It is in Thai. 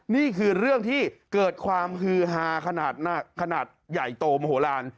นี่คือเรื่องที่เกิดความฮือฮาขนาดใหญ่โตมโหลาน